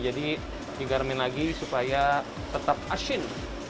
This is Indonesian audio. jadi digarmin lagi supaya tetap asin